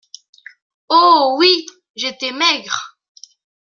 Oh ! oui, j’étais maigre !